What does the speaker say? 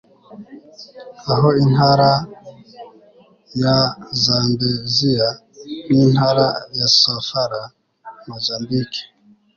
aho intara ya zambezia n'intara ya sofala, mozambike